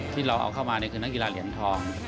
ที่เราเอาเข้ามาคือนักกีฬาเหรียญทอง